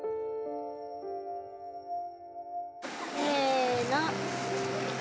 せの。